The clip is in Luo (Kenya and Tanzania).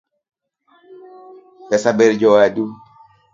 Pesa ber jowadu